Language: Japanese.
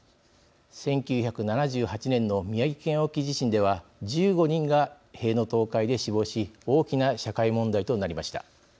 １９７８年の宮城県沖地震では１５人が塀の倒壊で死亡し大きな社会問題となりました。